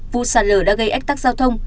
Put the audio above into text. vụ sạt lờ đã gây ách tắc giao thông